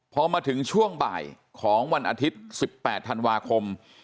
พอมาถึงช่วงบ่ายของวันอาทิตย์๑๘ธันวาคม